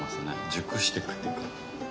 熟してくっていうか。